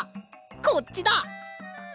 こっちだ！